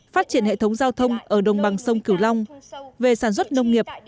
phát triển hệ thống giao thông ở đồng bằng sông cửu long về sản xuất nông nghiệp